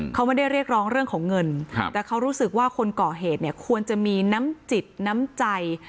เขาไม่ได้เรียกร้องเรื่องของเงินแต่เขารู้สึกว่าคนก่อเหตุเนี่ยควรจะมีน้ำจิตน้ำใจ